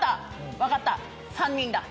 分かった３人だ。